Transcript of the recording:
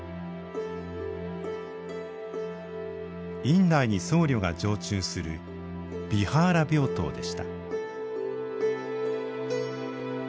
院内に僧侶が常駐するビハーラ病棟でした。